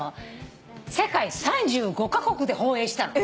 世界３５カ国で放映したの。